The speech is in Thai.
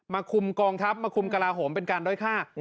คุมกองทัพมาคุมกระลาโหมเป็นการด้อยฆ่า